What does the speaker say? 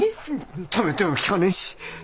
止めても聞かねえし